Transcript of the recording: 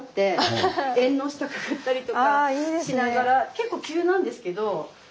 結構急なんですけどへえ。